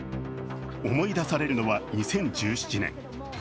思い出されるのは２０１７年。